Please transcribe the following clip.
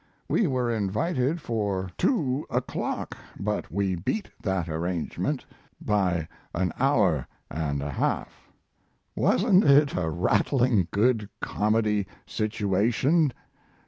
We were invited for a o'clock, but we beat that arrangement by an hour & a half. Wasn't it a rattling good comedy situation?